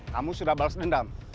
kamu sudah balas dendam